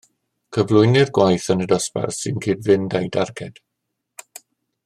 Cyflwynir gwaith yn y dosbarth sy'n cyd-fynd â'i darged